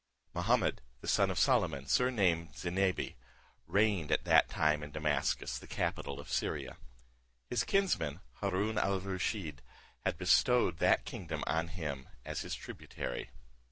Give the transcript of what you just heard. Mahummud, the son of Soliman, surnamed Zinebi, reigned at that time at Damascus, the capital of Syria. His kinsman, Haroon al Rusheed, had bestowed that kingdom on him as his tributary.